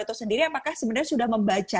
atau sendiri apakah sebenarnya sudah membaca